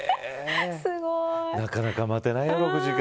なかなか待てないよ、６時間。